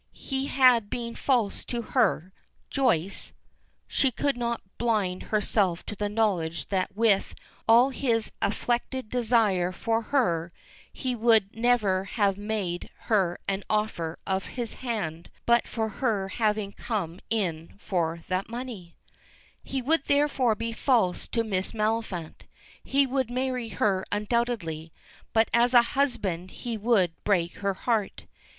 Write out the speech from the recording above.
He had been false to her Joyce (she could not blind herself to the knowledge that with all his affected desire for her he would never have made her an offer of his hand but for her having come in for that money) he would therefore be false to Miss Maliphant; he would marry her undoubtedly, but as a husband he would break her heart.